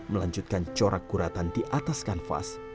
melanjutkan corak kuratan di atas kanvas